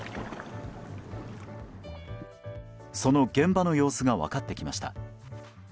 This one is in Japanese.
その現場の様子が分かってきました。